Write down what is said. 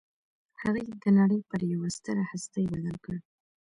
هغه يې د نړۍ پر يوه ستره هستي بدل کړ.